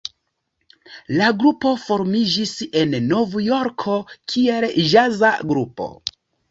La grupo formiĝis en Novjorko kiel ĵaza grupo.